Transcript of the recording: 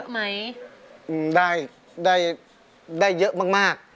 หล่นหล่น